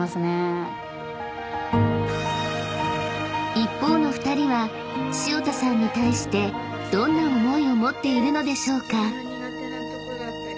［一方の２人は潮田さんに対してどんな思いを持っているのでしょうか？］